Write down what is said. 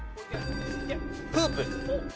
フープ！